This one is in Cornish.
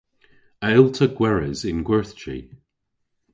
A yll'ta gweres yn gwerthji?